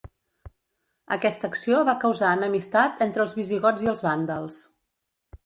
Aquesta acció va causar enemistat entre els visigots i els vàndals.